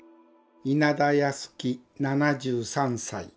稲田泰樹７３歳。